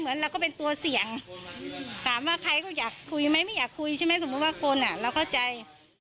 เราก็เป็นตัวเสี่ยงถามว่าใครก็อยากคุยไหมไม่อยากคุยใช่ไหมสมมุติว่าคนอ่ะเราเข้าใจ